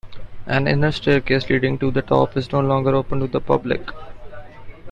An inner staircase leading to the top is no longer open to the public.